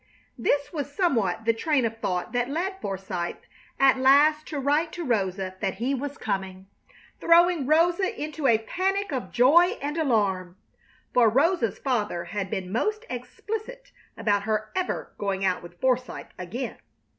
This was somewhat the train of thought that led Forsythe at last to write to Rosa that he was coming, throwing Rosa into a panic of joy and alarm. For Rosa's father had been most explicit about her ever going out with Forsythe again.